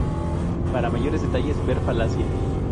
Para mayores detalles, ver falacia.